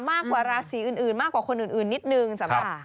มากกว่าราศีอื่นมากกว่าคนอื่นนิดนึงสำหรับ